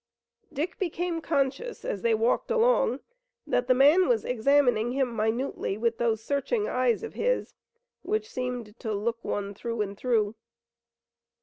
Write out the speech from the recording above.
Dick became conscious as they walked along that the man was examining him minutely with those searching eyes of his which seemed to look one through and through.